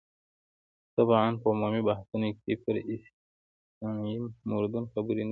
طبعاً په عمومي بحثونو کې پر استثنايي موردونو خبرې نه کېږي.